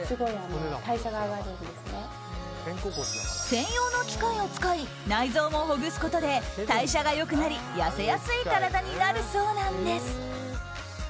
専用の機械を使い内臓もほぐすことで代謝が良くなり痩せやすい体になるそうなんです。